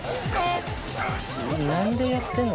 何でやってんの？